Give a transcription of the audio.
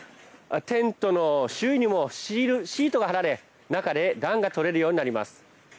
テントの周囲にもシートが貼られ中で暖が取れるようになります。